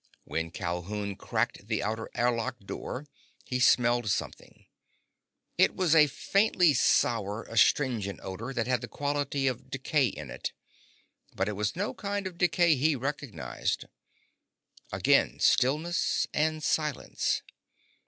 When Calhoun cracked the outer airlock door he smelled something. It was a faintly sour, astringent odor that had the quality of decay in it. But it was no kind of decay he recognized. Again stillness and silence.